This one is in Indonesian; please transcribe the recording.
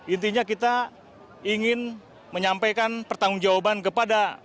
intinya kita ingin menyampaikan pertanggung jawaban kepada